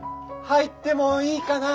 ・入ってもいいかな？